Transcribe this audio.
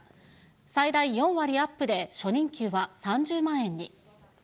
最大４割アップで初任給は３０万